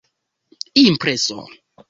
impreso